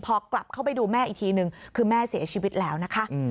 พอกลับเข้าไปดูแม่อีกทีนึงคือแม่เสียชีวิตแล้วนะคะ